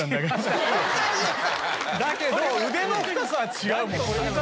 だけど腕の太さは違うもんな。